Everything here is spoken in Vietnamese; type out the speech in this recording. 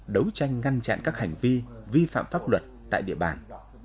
đấu tranh ngăn chặn các hành vi vi phạm pháp luật tại địa bàn